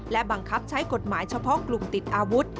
และบังคับใช้กฎหมายเฉพาะกลุ่มติดอาวุธ